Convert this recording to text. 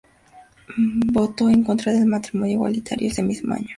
Voto en contra del matrimonio igualitario ese mismo año.